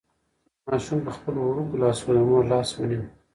ماشوم په خپلو وړوکو لاسو د مور لاس ونیو.